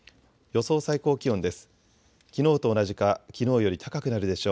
予想最高気温です。